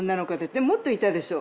でもっといたでしょ？